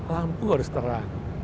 lampu harus terang